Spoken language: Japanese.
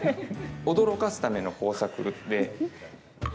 驚かすための工作で。